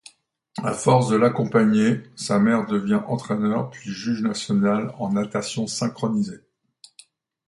À force de l'accompagner, sa mère devient entraîneur puis juge national en natation synchronisée.